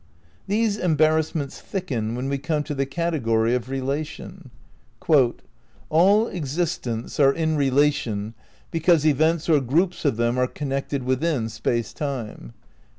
These embarrassments thicken when we come to the category of Relation. "All existents are in relation because events or groups of them are connected within Space Time."